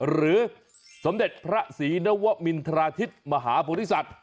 หรือสมเด็จพระศรีนวมินทราชิตมหาพุทธศัตริย์